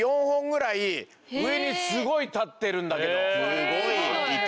すごい！糸